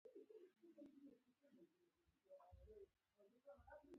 دا یې د استناد وړ کتاب نه باله.